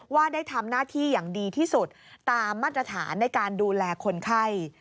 ว่าได้ทำหน้าที่อย่างดีที่สุดตามมาตรฐานในการดูแลคนไข้